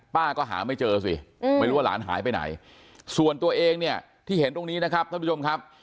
ป้าก็หาไม่เจอสิไม่รู้ว่าหลานหายไปไหนส่วนตัวเองเนี่ยที่เห็นตรงนี้นะครับท่านผู้ชมครับ